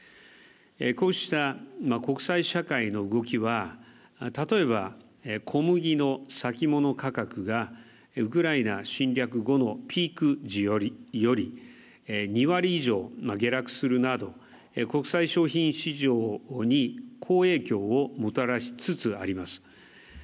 こうした国際社会の動きは例えば、小麦の先物価格がウクライナ侵略後のピーク時より２割以上、下落するなど国際商品市場に好影響をもたらしつつあります。